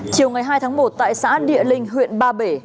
chiều ngày hai tháng một tại xã địa linh huyện ba bể